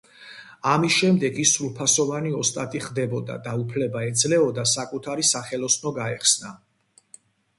ამის შემდეგ ის სრულფასოვანი ოსტატი ხდებოდა და უფლება ეძლეოდა საკუთარი სახელოსნო გაეხსნა.